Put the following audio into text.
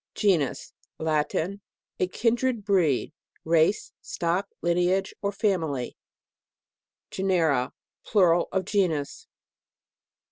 GENUS. Latin. A kindred, breed, race, stock, lineage, or family, GENERA. Plural of genus.